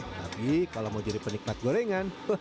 tapi kalau mau jadi penikmat gorengan